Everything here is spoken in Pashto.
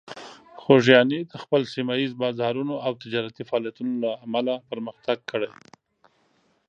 خوږیاڼي د خپل سیمه ییز بازارونو او تجارتي فعالیتونو له امله پرمختګ کړی.